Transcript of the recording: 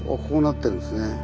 こうなってるんですね。